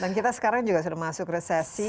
dan kita sekarang juga sudah masuk resesi